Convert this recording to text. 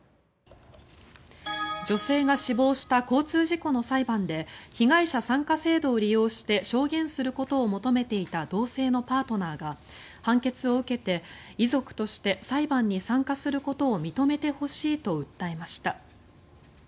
女性が死亡した交通事故の裁判で被害者参加制度を利用して証言することを求めていた同性のパートナーが判決を受けて遺族として裁判に参加することを認めてほしいと訴えました。